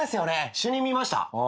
主任見ました？ああ。